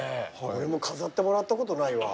俺も飾ってもらったことないわ。